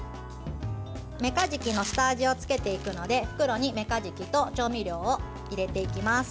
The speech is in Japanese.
めかじきの下味をつけていくので袋にめかじきと調味料を入れていきます。